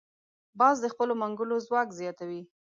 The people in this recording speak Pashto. باز د خپلو منګولو ځواک زیاتوي